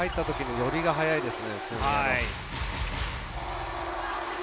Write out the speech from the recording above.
寄りが速いですね。